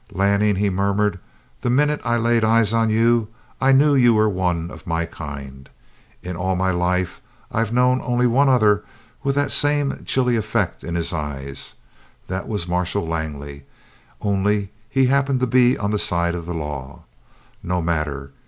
"Lanning," he murmured, "the minute I laid eyes on you, I knew you were one of my kind. In all my life I've known only one other with that same chilly effect in his eyes that was Marshal Langley only he happened to be on the side of the law. No matter.